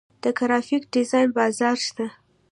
د ګرافیک ډیزاین بازار شته